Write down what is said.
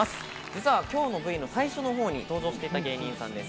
実は今日のＶの最初の方に登場していた芸人さんです。